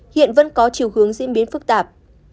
hiện vẫn có chiều hướng diễn biến phức tạp